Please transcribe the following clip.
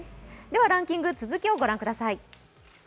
ランキング、続きをご覧ください。